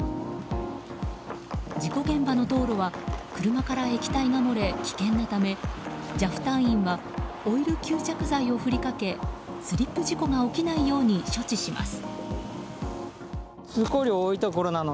事故現場の道路は車から液体が漏れ危険なためＪＡＦ隊員はオイル吸着剤をふりかけスリップ事故が起きないように処置します。